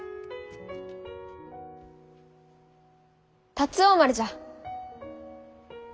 龍王丸じゃ。